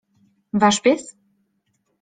Wasz pies?